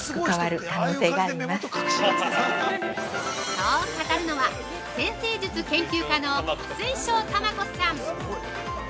◆そう語るのは、占星術研究家の水晶玉子さん。